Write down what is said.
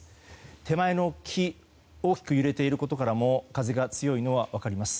手前の木大きく揺れていることからも風が強いのは分かります。